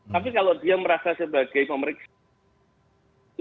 tapi kalau dia merasa sebagai pemeriksa